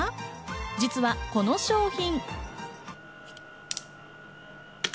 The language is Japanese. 実はこの商品。